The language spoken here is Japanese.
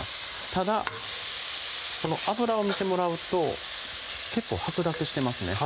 ただこの油を見てもらうと結構白濁してますね